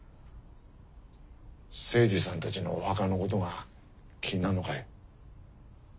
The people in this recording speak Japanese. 精二さんたちのお墓のことが気になるのかい？